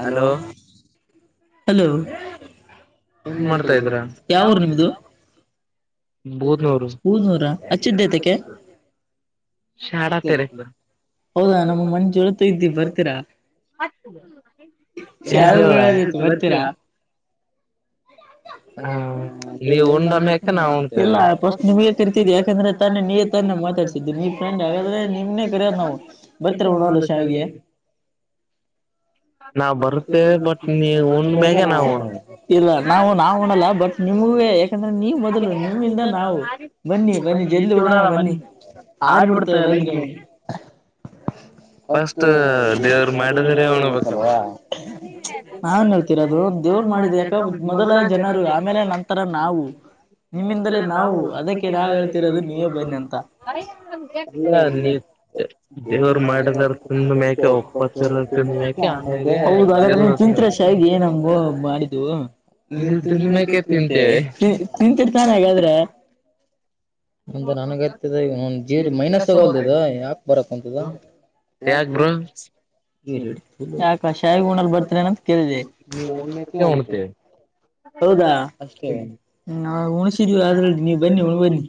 Hello hello ಹನ್ ಮಾಡ್ತಾ ಇದೀರಾ ಯಾವ್ ಊರ್ ನಿಮ್ದು ಬೂದ್ನೂ [inaudible] ಲ್ಲ ಫಸ್ಟ್ ನಿಮಗೆ ಕರಿತಿದಿವಿ ಯಾಕಂದ್ರೆ ತಾನೆ ನೀವೇ ತಾನೆ ಮಾತಾಡ್ತಿದ್ ನೀ ಫ್ರೆಂಡ್ ಹಾಗಾದ್ರೆ ನಿಮ್ನೆ ಕರೋದ್ ನಾವು ಬರ್ತರ ಉಣಲು ಶಾವಿಗಿ ನಾವ್ ಬರುತ್ತೇವೆ ಬಟ್ ನೀ ಉಂಡು ಮೇಲೆ ನಾವವು ಉಣುತ್ತೀವಿ ಇಲ್ಲ ನಾವು ನಾವು ಉಣಲ್ಲ ಬಟ್ ನಿಮಗೆ ಯಾಕಂದ್ರೆ ನೀವ್ ಮೊದಲು ನಿಮ್ಮಿಂದ ನಾವು ಬನ್ನಿ ಬನ್ನಿ ಜಲ್ದಿ ಉಣೋಣ ಬನ್ನಿ ಹಾರಿ ಬಿಡ್ತಾ ಇಲ್ಲ ಅಂದ್ರೆ [inaudible] ವಾತೀರ ಮಾಡ ಮೊದಲ ಜನರು ಆಮೇಲೆ ನಂತರ ನಾವು ನಿಮ್ಮಿಂದಲೇ ನಾವು ಅದಕ್ಕೆ ನಾವ ಹೇಳ್ತಿರೋದು ನೀವೇ ಬನ್ನಿ ಅಂತ ಹೌದು ಹಾಗಾದ್ರೆ ನೀನ್ ನಿಂತ್ರೆ ಶಾವಿಗೆ ಆಗ ಏ ನ ಮಾಡಿದು ನೀ ತಿಂತ ತಿಂತರ್ತಾನ ಹಾಗಾದ್ರೆ ಒ ನನಗ ಜೀ ಮೈನಸ್ ಆಗಲ್ದ ಯಾಕ ಬರಕ್ಂತದ ಯಾಕಾ ಸಾವಿಗೆ ಉಣಲ್ ಬರ್ತೀ ಅಂತ ಕೇಳಿದೆ ಹೌದಾ ಅಷ್ಟೇ ಉಣಸಿದೀವಿ ಅ್ರಲ್ಲಿ ನೀ ಬನ್ನಿ ಬನ್ನಿರ್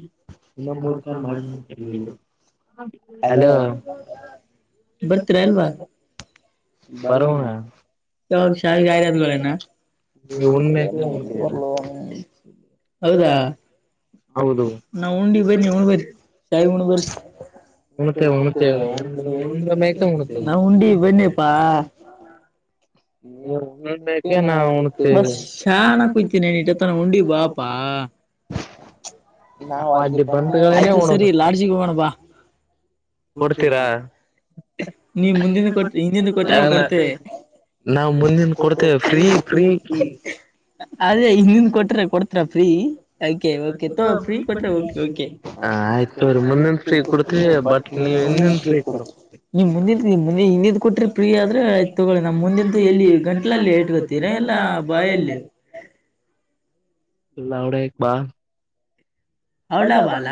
ಹಲೋ ಬರ್ತೀರಾ ಅಲ್ವಾ ಯಾವಾಗ ಶಾವಿಗೆ ಯಾರಾದನಾ ನೀವು ಉಣ್ಣೇಮೇಕೇ ಹೊಂತಿವಿ ಹೌದಾ ಹೌ ನಾ ಉಂಡಿ ಬನ್ನಿ ಉಣಬರಿ ಶಾಯಿ ಉಣಬರಿ ನಾ ಉಂಡಿ ಬನ್ನಿಾ ಬ ಶ ಕು್ ಇ ಉಂಡಿ ಬಾಪಾ ಹಾ ಯ್ ಸರಿ ಲಾಡ್ಜಿ ಹೋಗ ನೀಂದದೇ ಹ ಕೊಟ್ರಡ್ರ ಓಕೆ ಫ್ರ ಕೊಟ್ರ ಹಿಂದ್ ಕೊಟ್ರಿ ಫ್ರೀ ಆದ್ರೆ ಆಯ್ತ್ ತಗೊಳ್ಳಳಿ ನಮ್ ಮುಂದ ಎಲ್ಲಿ ಗಂಟ್ಲಲ್ಲಿ ಐಟ್ ಗೊತ್ತೀರ ಇಲ್ಲ ಬಾಯಲ್ಲಿ ಇಲ್ಲ ಅವಡ ಬಾ ಅವಳ ಬ ಅಲ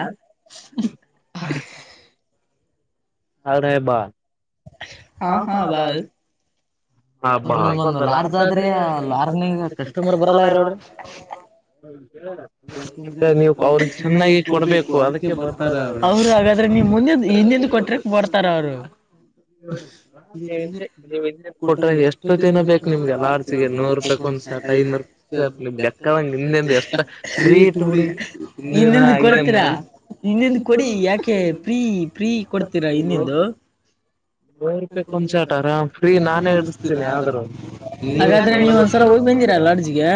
ಹರ್ಲೆ ಪಾಲ್ ಹಾ ಹಾ ಬಾರ ಇಲ್ಲ ಅಣ್ಣ ಚನ್ನಾಗಿ ಕೊಡ್ಬೇಕು ಅದಕ್ಕೆ ಅವ ಹಾಗಾದ್ರೆಮುಂದೆ ಹಿಂದಿಂದ ಕೊಟ್ರಕ್ ಬರ್ತಾರ ಅವರು ಕೊಟ್ರ ಎಷ್ಟು ದಿನ ಬೇಕಕ್ ನಿಮ್ಗೆ ಎಲ್ಲ ಅರ್ಸಿಗೆ ನೂರು ರೂಪಾಯಕ್ ಒಂದ್ ಸರ್ ಐನೂರು ಸ ನಿಮ್ಗೆಕ್ಕದಂಗ ಹಿಂದಿಂದ ಎಷ್ಟ ಇನ್ನಂದು ಕೊಡ್ತೀರಾ ಇನ್ನಂದು ಕೊಡಿ ಯಾಕೆ ಫ್ರೀ ಫ್ರೀ ಕೊಡ್ತೀರಾ ಇನ್ನಂದುಕ ವ ರೂಪಾಯಿ ಕೊಂಚಾಟಾರ ಫ್ರೀ ನಾ ಹಾಗಾದ್ರೆ ನೀವ ಒಂದ್ಸಲ ಹೋಗಿ ಬಂದಿರಾ ಲಾಡ್ಜ್ಗೆ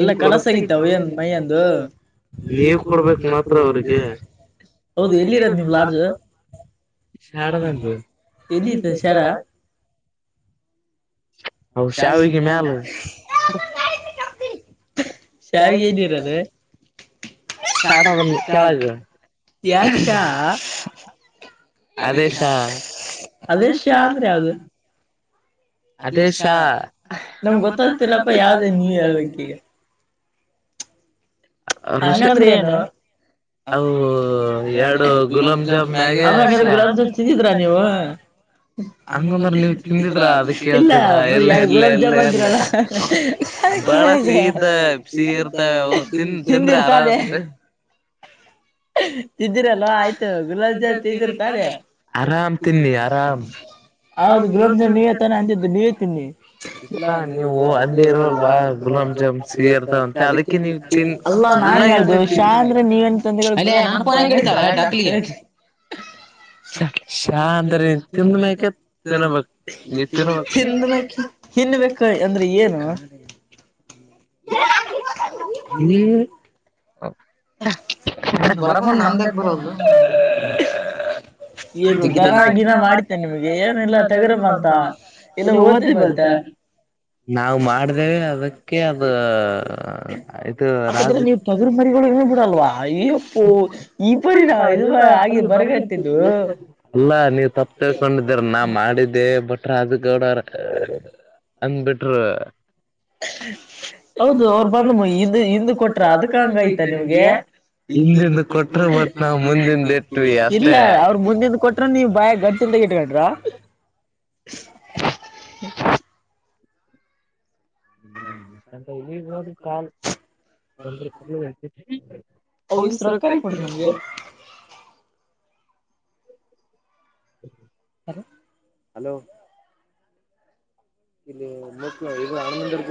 ಎಲ್ಲ ಕಲಸ ಆಗತ್ತ ಮೈಂದುೌದು ಎಲ್ಲಿರ ಲಾಡ್ಜ್ ಎಲ್ಲಿತ್ತು ಶರ ಹೌ ಶಾವಿಗೆ ಮ್ಯಾಲ ಶಾವಿಗೆ ರದು ಸಳ ಯಾ ಅ ಅದೇ ಶಾ ಅಂದ್ರೆ ಯಾವದು ಅದೇಷಾ ನಮ್ಗೆ ಗೊತ್ತಾಗ್ತನಪ್ಪ ಯಾವ್ದ ನೀ ಹಂಗಂದ್ರ ಏನು ಅವು ಗುಲ ಜಾಮ್ ಹಾಗಾದ್ರೆ ಗುಲ ಜಾಮ್ ತಿಂದಿದ್ರ ನೀವು ಇಲ್ಲ ಯಾರು ಗುಲಾಬ್ ಜಾಮ ಅಂದ್ರಲ್ಲಿದೆ ತಿಂದಿರ್ತಳೆ ತಿದ್ದಿರಲ್ವಾ ಆಯ್ತು ಗುಲಬ್ ಜನ್ ತಿಂದಿರ್ ತಳೆ ಹೌದು ಗುಲಾಬ್ ಜಂದ್ ನೀವ ತಾನ ಅಂತ ನೀವು ತಿನ್ನಿ ಇಲ್ಲ ನೀವು ಅಲ್ಲಿ ಇರುವಲ್ ಅದಕ್ಕೆ ತಿ ಅಲ್ಲಾ ನಾನ್ ಹೇಳ್ದು ಶಾ ಅಂದ್ರೆ ನೀವನ್ತ ಡಕ್ ಶ [unintelligible] ಅಂದ್ರ ತಿನ್ಬೇಕ ತಿನ್ಬೇಕ ಹ್ಮ ಹೌ ಇ ಬರಕ ನಾಮ ದ ಭರದು ಬ ಬ [unintelligible] ನಾವು ಮಾಡ್ದೇವೆ ಅದಕ್ಕೆ ಅದು ಆಯತು ರಾಜ ಅಲ್ವಾ ಇ್ಯಪ್ಪು ಈ ಬರಿ ನ ಇ ಹಾಗೆ ಬರ್ಗಟ್ಟಿದ್ದು ಅಲ್ಲಾ ನೀವ್ ತಪ್ಪ ತಿಳ್ಕೊಂಡಿದ್ದ್ರ ನಾ ಮಾಡಿದ್ದೆ ಬಿಟ್ರ ಅದ ಗೌಡಾರ ಅಂದ ಬಿಟರು ಹೌದು ಅವ ಬಂದ ಇ ಹಿಂದ ಕೊಟ್ರ ಅದಕ ಹಂಗ ಆಯ್ತ ನಿಮ್ಗೆಟ ಇಲ್ಲ ಅವ ಹಿಂದದ ಕೊಟ್ರ ನೀವುಭಯ ಗಟ್ಟಜನ್ದಾಗ ಇಟ್ಕಡ್ರ ಈ ನೋಡಿ ಕಸರ ಕ ಹ್ಮ ಹಲೋ ಇಲ್ಲಿ ಮು ಈಗ ಹಣಮಂದ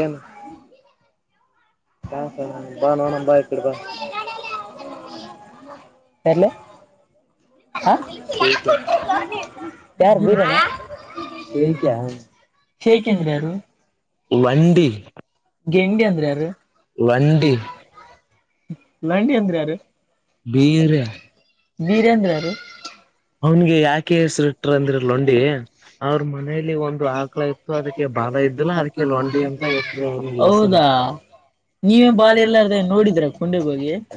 ಏನ್ ಹ ಬ ನೋ ನ ಬಾ ಇಕಡಬಾ ಯರ್ಲ್ಲ ಹ ಯಾರು ದೂರ ಶೇಕ ಅಂದ್ರ ಯಾರು ಗೆಂಡಿ ಅಂದ್ರ ಯಾರು ಲಂಡಿ ಎಂದ್ರ ಯಾರ. ವೀರೇಂದ್ರ ಅ [inaudible] ಅವನ್ಗೆ ಯಾಕೆ ಹೆಸರುಟ್ರ ಅಂದ್ರ ಲೊಂಡಿ ಅವ್ರ ಮನೇಲಿ ಒಂದು ಆಕಳ ಇತ್ತು ಅದಕ್ಕೆ ಬಾಲ ಇದ್ದಿಲ್ಲ ಅದಕ್ಕೆ ಲಂಡಿ ಅಂತ ಎರು ಅವ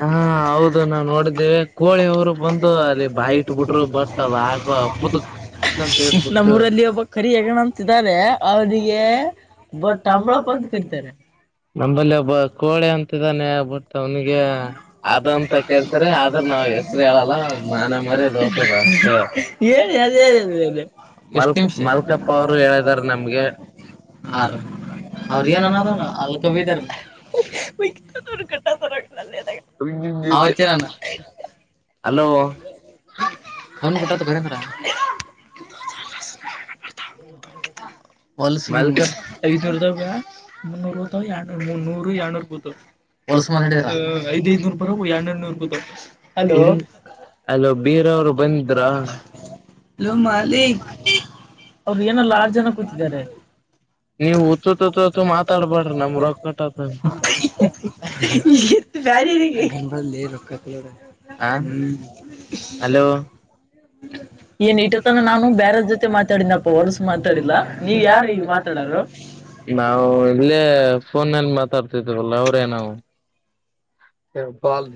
ಹ ಹೌದು ನಾ ನೋಡಿದ್ದೇವೆ ಕೋಳಿವರು ಬಂದು ಅಲ್ಲಿ ಬಾಯಿ ನಮ್ಮ ಊರಲ್ಲಿ ಒಬ್ಬ ಕಖರಿಯಗಣ ಅಂತಾರೆ ಅವಿಗೆಟ್ಟ ಅಂಬಳಪ್ಪ ಅಂತ ಕರಿತಾರೆ ಕೋ ಅ ಆಂತ ಕ ಆದ್ರ ನಾವ ಹೆಸರು ಹೇಳಲ್ಲನ. [unintelligible] ಹೇಳಿ ಅದ ನಿಮಪ್ಪ ಅವರು ಹೇಳಾರ ನಮಗೆ ಅವ್ರ ಏನ ಅಲ್ಕಪ್ಪ ಇದಾರ ಅವನ ಅ. [inaudible] ಹಫೋನ್ ಹತ ರಂತ ರ. [unintelligible] ಮಾ. [unintelligible] ನೀರರು ಬಂದಿದ್ರಲೋ ಮಾಲಿಕ್ ಅವ ಏನಲ್ಲ ಆರ್ ಜನ ಕೂತಿದ್ದಾರೆ ನೀವು ಮಾತಾಡ್ಬ್ರ ನಮ [unintelligible] ಹಲೋ. ನಾನು ಇಷ್ಟೊತ್ತನೆ ಬೇರೆ ಜೊತೆ ಮಾತಾಡಿಲ್ಲ ನಾವು ಇಲ್ಲೇ ಫೋನ್ನಲ್ಲಿ ಮಾತಾಡುತ್ತಿಲ್ಲ ಅವರೇ ನಾವು ಹ ಬಲ್.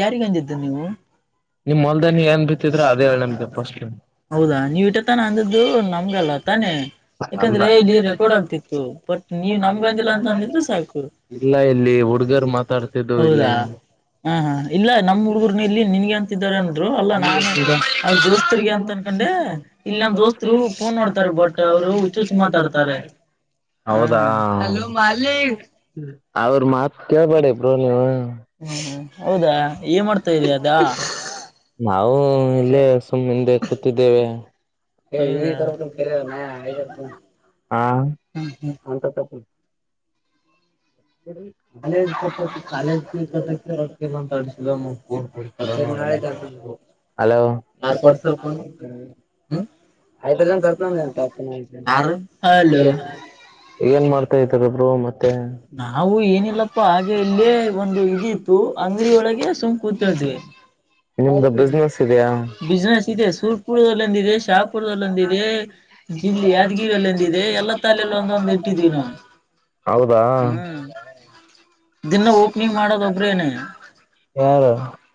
ಯಾರಿಗಂದಿದ್ದು ನೀವು. ನಿಮ್ ಹೊಲದಲ್ಲಿ ಏನ್ ಬಿತ್ತಿದಿರಾ ಅದೇ ಹೇಳಿ ಹೌದಾ ನೀವ್ ಇಟ್ಟ ತಾನ ಅಂದು ನಮ್ಗಲ್ಲ ತಾನೆ ಯಾಕಂದ್ರೆ ಇಲ್ಲಿ ರೆಕಾರ್ಡ್ ಆಗ್ತಿತ್ತು ಬಟ್ ನೀವ್ ನಮ್ಗ ಅಂದಿಲ್ಲ ಅಂತ ಅಂದಿದ್ರೆ ಸಾಕು ಹೌದಾ. ಹಾ ಹಾ ಇಲ್ಲ ನಮ್ಮ್ ಹುಡುಗರ್ನ ಇಲ್ಲಿ ನಿನ್ಗೆ ಅಂತ. ಇ ದೋಸ್ತ ಬಟ್ ಅವರು ಹುಚ್ಚು ಮಾತಾಡ್ತಾರೆ. [unintelligible] [unintelligible] ಹ್ಮ್ ಹ್ಮ್ ಹೌದಾ ಏನ್ ಮಾಡ್ತಾ ಇದಯ ಅದ. ನಾವು. ಇಲೆಸ್. [inaudible] ಕುಂತಿದ್ದೇವೆ. [inaudible] College college Tadasa. [unintelligible] [unintelligible] [unintelligible] ಇಲ್ಲಪ್ಪ ಹಾಗೆ ಇಲ್ಲೇ ಒಂದು ಇದಿತ್ತು ಅಂಗಡಿಯ ಒಳಗೆ ಸುಂಕ ಕೂತ್ಳಿದ್ವಿ. ನಿಮ್ದು ಬಿಸಿನೆಸ್ ಇದೆಯಾ ಸುರಪುರ್ ನಲ್ಲಿ ಒಂದಿದೆ ಶಾಪುರ್ ನಲ್ಲಿ ಒಂದಿದೆ ಯಾದಗಿರ್ ಒಂದಿದೆ ಹೌದಾ. ದಿನ ಓಪನಿಂಗ್ ಮಾಡೋದ್ ಒಬ್ರ ಏನ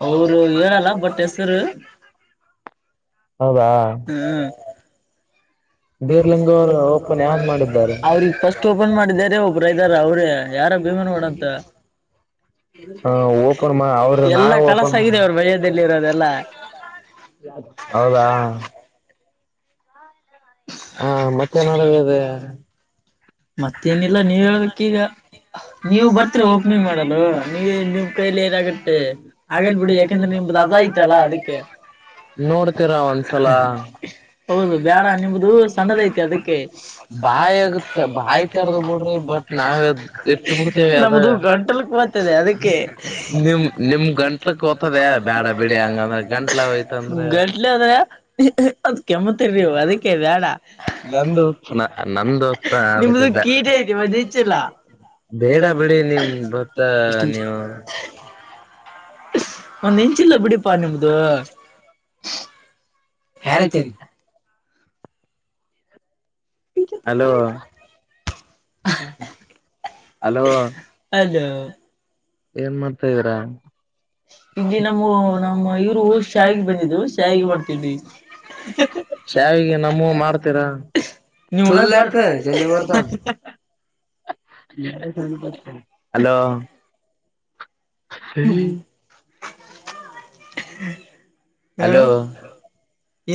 ಹೌ [inaudible] ಹೌದಾ ಹ್ಮ್ [inaudible] ಬ ಅವಫಸ್ಟ್ ಓಪನ್ ಮಾಡಿದ್ದಾರೆ ಒಬ್ ಅವ ಯಾರ ಭೀಮನಗೌಡ ಮಾಡಂತ ಎಲ್ಲಾ ಕಲಸ ಆಗ ಅವ ಬಯದಲ್ಲಿರದೆ ಹಾ ಮತ್ತೆ ನಡದ ಅದೆ [inaudible] ಮತ್ತೇನಿಲ್ಲ ನೀವ್ ಹೇಳೇಕ್ ಈಗ ನೀವ ಬರ್ತೀರ ಓಪನಿಂಗ್ ಮಾಡಲು ನೀ ನಿಮ್ ಕೈಲಿ ಏನಾಗುತ್ತೆ ಆಗಲ್ ಬಿಡಿ ಯಾಕಂದ್ರೆ ನಿುದ ಅದ ಐತಲ್ಲ ಅದಕ್ಕೆ ನೋರ ಹೌದು ಬೇಡ ನಿಂಬುದು ಸಣ್ಣದ ಐತಿ ಅದಕ್ಕೆ ಬಾಯ [unintelligible] [unintelligible] ಬೇಡ ಬಿಡಿ ನಿಮ್ ಬೊತ್ತ ನೀವು ಒಂದ್ ಇಂಚ ಇಲ್ಲ ಬಿಡಿಪಾ ನಿಮ್ದು ಹಾರ ಚಂತ [unintelligible] ಹಲೋ ಹಲೋ ಏನ್ ಮಾಡ್ತಾಇದೀರಾ ಇ ನಮ್ಮ ನ ಇರು ಶ್ಯಾವಿಗೆ ಬಂದಿದ್ರು ಶಾವಿಗೆ ಬರ್ತಿದ್ವಿ ಶ್ಯಾವಿಗೆ ನಮ್ಮ ಮಾಡ್ತೀರ [unintelligible] ಹಲೋ ಹ್ಮ [unintelligible] ಹಲೋ.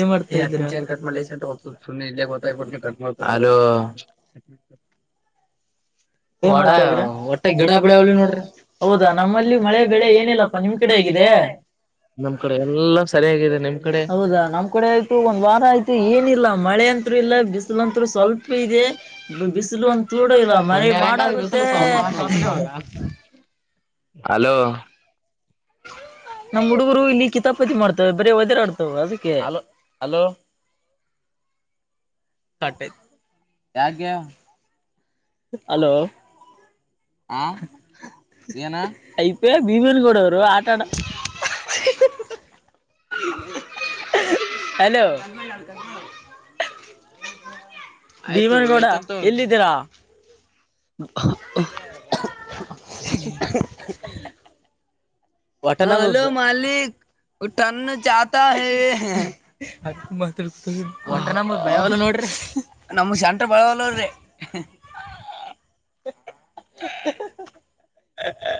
ಏನ್ ಮಾಡ್ತ ಚ ಕಟ್ ಮಾಡ ಲ ಸು ಇಲ್ಲತಾಯ ಕಟ್ ಚೋ [unintelligible] ಒಟ್ಟೆ ಗಿಡ ಬೆಳೆವಾಲೂ ನೋಡ್ರಿ ಹೌದಾ ನಮ್ಮಲ್ಲಿ ಮಳೆ ಬೆಳೆ ಏನಿಲ್ಲಪ್ಪ ನಿಮ್ ಕಡೆ ಹೇಗಿದೆ. ನಮ್ ಕಡೆ ಎಲ್ಲ ಸರಿ ಇದೆ ನೋಡಿ ಹೌದಾ ನಮ್ ಕಡೆ ಆಯ್ತು ಒಂದ್ ವಾರ ಆಯ್ತು ಏನಿಲ್ಲ ಮಳೆ ಅಂತ್ರು ಇಲ್ಲ ಬಿಸಿಲ ಅಂತ್ರು ಸ್ವಲ್ಪ ಇದೆ ಬಿಸಿಲು ಒಂತ ತೂಡ ಇಲ್ಲ. [inaudible] ಹಲೋ. ಹುಡುಗರು ಇಲ್ಲಿ ಕಿತಾಪತಿ ಮಾಡ್ತವೆ ಬರೆ ವಡರಾಡ್ತಾವೆ ಅದಕ್ಕೆ ಹಲೋ. [unintelligible] ಹಲೋ ಹಾ ಏನ ಐಪಿ ಬಿಮನ್ ಗೌಡ ಅವರು ಆಟಾಡ. [unintelligible] [inaudible] ಹಲೋ. ಭೀಮನಗೌಡ ಎಲ್ಲಿದ್ದೀರಾ. [inaudible] [unintelligible] ಟ ಮಾಲಕ್ನ್ನ ಚಾತ ನೋಡ್ರಿ ನಮ ಬಳಲ್ಲೋಡ್ರ